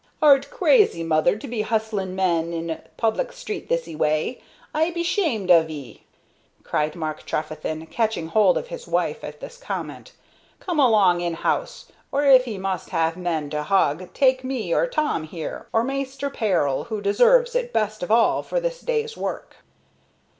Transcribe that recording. "Art crazy, mother, to be hustling men in public street thiccy way? I be 'shamed of 'ee!" cried Mark Trefethen, catching hold of his wife at this moment. "Come along in house, or if 'ee must have man to hug take me or Tom here, or Maister Peril, who deserves it best of all for this day's work."